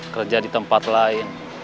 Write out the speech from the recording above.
kerja di tempat lain